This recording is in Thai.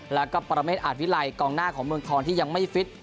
แล้วก็ปรเมฆอาจวิลัยกองหน้าของเมืองทองที่ยังไม่ฟิต